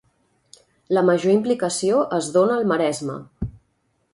La major implicació es dona al Maresme.